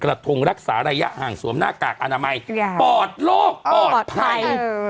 ทงรักษาระยะห่างสวมหน้ากากอนามัยปอดโรคปลอดภัย